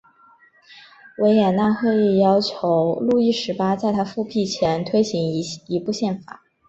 维也纳会议要求路易十八在他复辟前推行一部宪法。